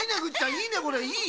いいねこれいい。